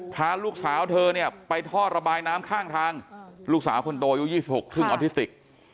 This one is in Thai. พาลูกสาวเธอเนี่ยไปท่อระบายน้ำข้างทางลูกสาวคนโตอายุ๒๖ครึ่งออทิสติก